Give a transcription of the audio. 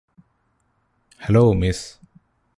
hello miss